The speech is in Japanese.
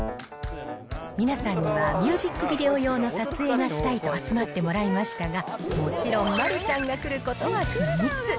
皆さんには、ミュージックビデオ用の撮影がしたいと集まってもらいましたが、もちろん丸ちゃんが来ることは秘密。